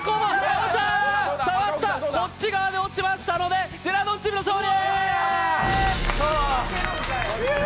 こっち側に落ちましたので、ジェラードンチームの勝利！